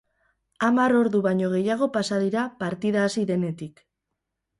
Hamar ordu baino gehiago pasa dira partida hasi denetik.